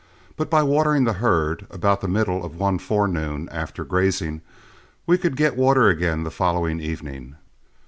But by watering the herd about the middle of one forenoon, after grazing, we could get to water again the following evening.